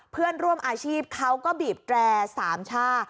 เพื่อนร่วมอาชีพเขาก็บีบแตรสามช่า